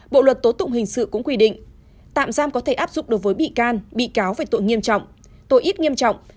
bộ luật tố tụng hình sự cũng quy định tạm giam có thể áp dụng đối với bị can bị cáo về tội nghiêm trọng tội ít nghiêm trọng